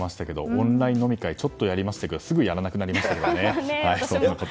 オンライン飲み会ちょっとやりましたけどすぐやらなくなりましたね。